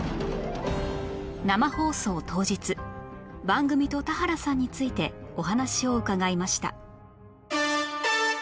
生放送当日番組と田原さんについてお話を伺いました